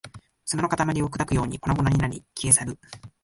砂の塊を砕くように粉々になり、消え去る